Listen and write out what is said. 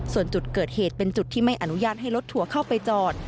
ส่วนจุดเกิดเหตุเป็นจุดที่ไม่อนุญาตให้รถทัวร์เข้าไปจอด